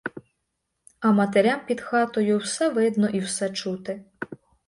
А матерям під хатою все видно і все чути.